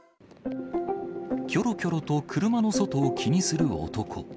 きょろきょろと車の外を気にする男。